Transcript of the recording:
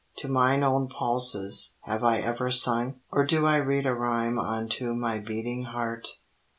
To mine own pulses have I ever sung? Or do I read a rhyme unto my beating heart?